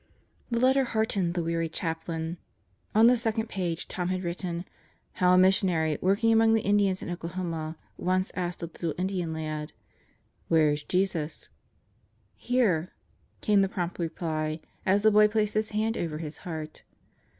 The letter heartened the weary Chaplain. On the second page, Tom had written "how a Missionary, working among the Indians in Oklahoma, once asked a little Indian lad: ' Where Is Jesus?' 'Here!' came the prompt reply as the boy placed his hand over his heart.